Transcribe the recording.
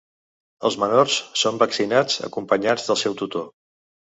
Els menors són vaccinats acompanyats del seu tutor.